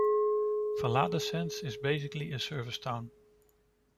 Viladecans is basically a service town.